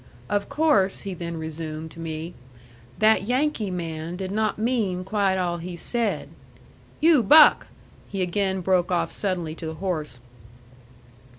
"Of course," he then resumed to me, "that Yankee man did not mean quite all he said. You, Buck!" he again broke off suddenly to the horse.